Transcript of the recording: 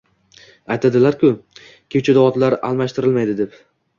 Aytadilar-ku, kechuvda otlar almashtirilmaydi, deb